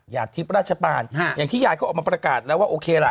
หยาดทริปราชปัญห์อย่างที่หยาดเขาออกมาประกาศแล้วว่าโอเคล่ะ